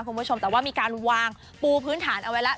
คุณผู้ชมแต่ว่ามีการวางปูพื้นฐานเอาไว้แล้ว